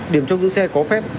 điểm trong giữ xe có phép